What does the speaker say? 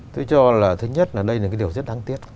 tôi cho là thứ nhất là đây là cái điều rất đáng tiếc